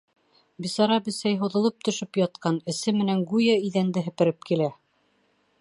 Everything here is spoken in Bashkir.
Бисара бесәй һуҙылып төшөп ятҡан: эсе менән, гүйә, иҙәнде һепереп килә.